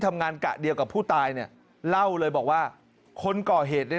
ทำงานกะเดียวกับผู้ตายเนี่ยเล่าเลยบอกว่าคนก่อเหตุเนี่ย